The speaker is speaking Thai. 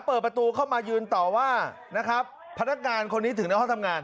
เปิดประตูเข้ามายืนต่อว่านะครับพนักงานคนนี้ถึงในห้องทำงาน